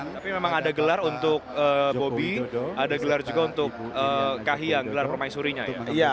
tapi memang ada gelar untuk bobi ada gelar juga untuk kahiyang gelar permaisurinya ya